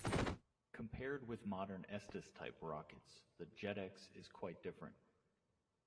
Compared with modern Estes-type rockets, the Jetex is quite different.